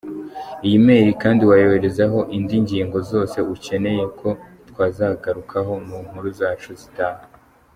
Iyi email kandi wayoherezaho indi ngingo yose ukeneyeho ko twazagarukaho mu nkuru zacu zitaha.